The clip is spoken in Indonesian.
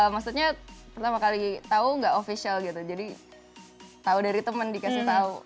maksudnya pertama kali tahu nggak official gitu jadi tahu dari temen dikasih tahu